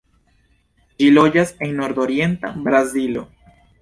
Ĝi loĝas en nordorienta Brazilo.